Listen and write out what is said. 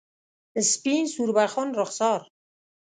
سپین سوربخن رخسار